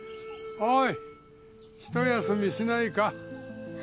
おい一休みしないか？